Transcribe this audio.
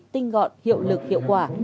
tinh gọn hiệu lực hiệu quả